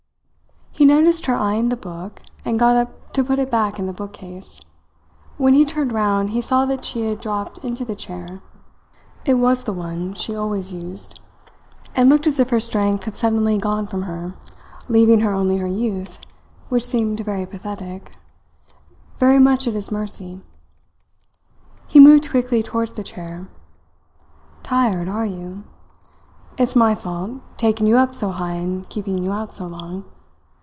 He noticed her eyeing the book, and got up to put it back in the bookcase. When he turned round, he saw that she had dropped into the chair it was the one she always used and looked as if her strength had suddenly gone from her, leaving her only her youth, which seemed very pathetic, very much at his mercy. He moved quickly towards the chair. "Tired, are you? It's my fault, taking you up so high and keeping you out so long.